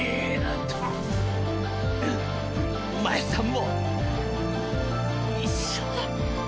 お前さんも一緒だ！